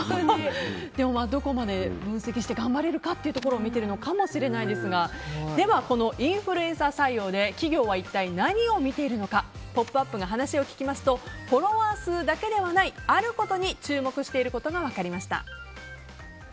どこまで分析して頑張れるかを見ているかもしれませんがではこのインフルエンサー採用で企業は一体何を見ているのか「ポップＵＰ！」が話を聞きますとフォロワー数だけではないあることに注目していることが分かりました。